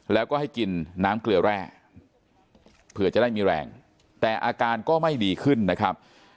แล้วก็ให้กินน้ำเกลือแร่เผื่อจะได้มีแรงแต่อาการก็ไม่ดีขึ้นนะครับ